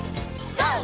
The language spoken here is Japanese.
ＧＯ！